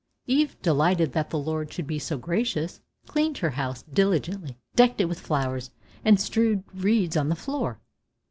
Eve, delighted that the Lord should be so gracious, cleaned her house diligently, decked it with flowers, and strewed reeds on the floor.